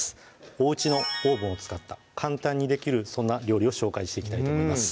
おうちのオーブンを使った簡単にできるそんな料理を紹介していきたいと思います